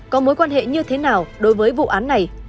có mối quan hệ như thế nào đối với vụ án này